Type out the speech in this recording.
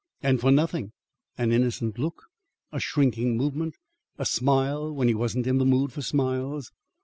And for nothing an innocent look; a shrinking movement; a smile when he wasn't in the mood for smiles.